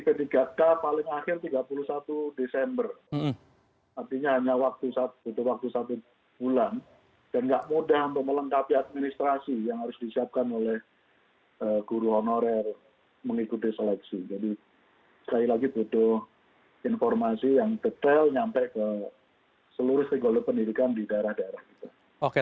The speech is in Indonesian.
jadi sekali lagi butuh informasi yang detail sampai ke seluruh stikbolet pendidikan di daerah daerah